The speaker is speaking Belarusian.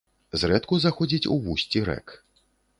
Зрэдку заходзіць у вусці рэк.